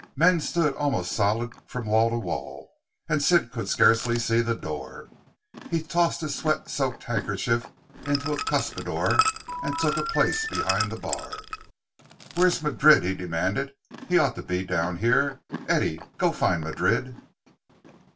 Men stood almost solid from wall to wall, and Sid could scarcely see the door. He tossed his sweat soaked handkerchief into a cuspidor and took a place behind the bar. "Where's Madrid?" he demanded. "He ought to be down here. Eddie, go find Madrid."